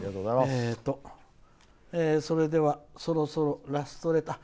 それでは、そろそろラストレター。